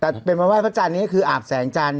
แต่เป็นบางวัยพระจันนี้คืออาบแสงจันทร์